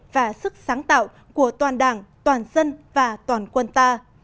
và sức sáng tạo của toàn đảng toàn dân và toàn quân ta